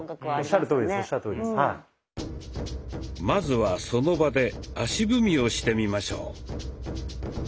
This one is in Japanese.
まずはその場で足踏みをしてみましょう。